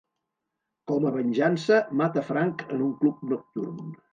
Com a venjança, mata Frank en un club nocturn.